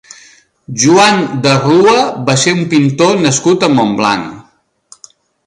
Joan de Rua va ser un pintor nascut a Montblanc.